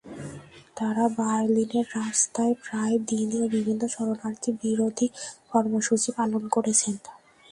তারা বার্লিনের রাস্তায় প্রায় দিনই বিভিন্ন শরণার্থী বিরোধী কর্মসূচি পালন করছেন।